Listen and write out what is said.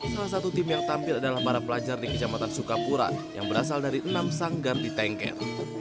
salah satu tim yang tampil adalah para pelajar di kecamatan sukapura yang berasal dari enam sanggar di tengger